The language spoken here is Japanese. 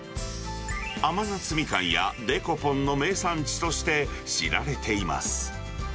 甘夏みかんやデコポンの名産地として知られています。